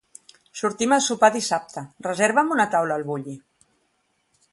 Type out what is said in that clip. Sortim a sopar dissabte, reserva'm una taula al Bulli.